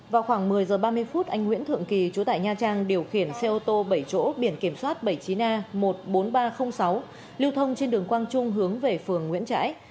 vào khoảng một mươi h ba mươi phút anh nguyễn thượng kỳ chú tại nha trang điều khiển xe ô tô bảy chỗ biển kiểm soát bảy mươi chín a một mươi bốn nghìn ba trăm linh sáu lưu thông trên đường quang trung hướng về phường nguyễn trãi